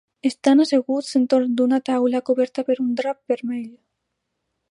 Estan asseguts entorn d'una taula coberta per un drap vermell.